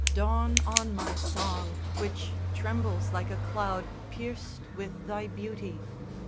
Dawn on my song which trembles like a cloud Pierced with thy beauty.